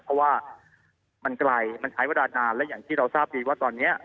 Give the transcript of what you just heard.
เพราะว่ามันไกลมันใช้เวลานานและอย่างที่เราทราบดีว่าตอนนี้